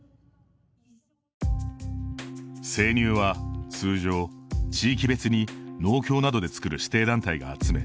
生乳は通常、地域別に農協などで作る指定団体が集め